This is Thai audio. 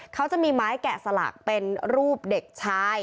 เขาจะมีไม้แกะสลักเป็นรูปเด็กชาย